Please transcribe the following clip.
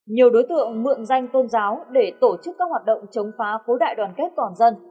nhiều đối tượng mượn danh tôn giáo để tổ chức các hoạt động chống phá cố đại đoàn kết toàn dân